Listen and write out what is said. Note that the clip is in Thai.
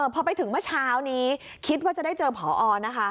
พอไปถึงเมื่อเช้านี้คิดว่าจะได้เจอผอนะคะ